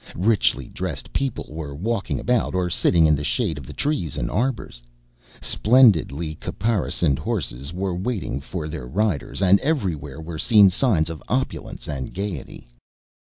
Richly dressed people were walking about or sitting in the shade of the trees and arbors; splendidly caparisoned horses were waiting for their riders; and everywhere were seen signs of opulence and gayety.